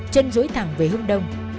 chân dối thẳng về hướng đông